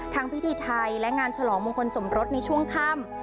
พิธีไทยและงานฉลองมงคลสมรสในช่วงค่ำ